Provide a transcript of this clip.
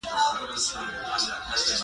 د زندان مشر ته يې وکتل.